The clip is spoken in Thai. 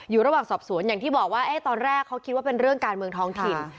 อยู่ระหว่างสอบสวนอย่างที่บอกว่าตอนแรกเขาคิดว่าเป็นเรื่องการเมืองท้องถิ่น